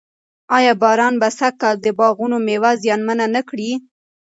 آیا باران به سږ کال د باغونو مېوه زیانمنه نه کړي؟